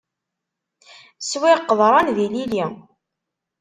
Swiɣ qeḍran d yilili.